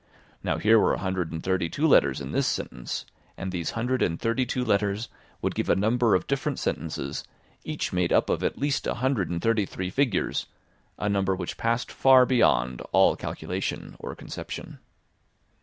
Now, here were a hundred and thirty two letters in this sentence, and these hundred and thirty two letters would give a number of different sentences, each made up of at least a hundred and thirty three figures, a number which passed far beyond all calculation or conception.